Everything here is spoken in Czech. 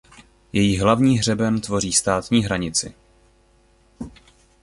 Její hlavní hřeben tvoří státní hranici.